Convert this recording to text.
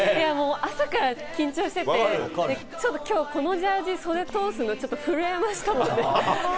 朝から緊張して、きょうはこのジャージーに袖を通すの震えました。